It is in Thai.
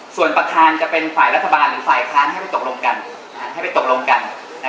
ส่วนประธานจะเป็นฝ่ายรัฐบาลหรือฝ่ายคลาญให้ไปตกลงกัน